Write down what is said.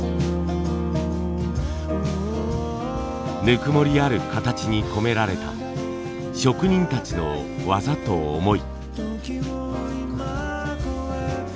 ぬくもりある形に込められた職人たちの技と思い。